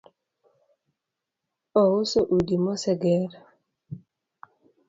Ouso udi moseger